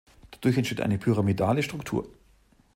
Dadurch entsteht eine pyramidale Struktur.